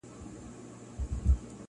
چي اَیینه وي د صوفي او میخوار مخ ته,